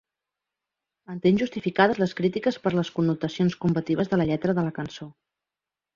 Entén justificades les crítiques per les connotacions combatives de la lletra de la cançó.